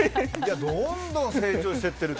どんどん成長していってる。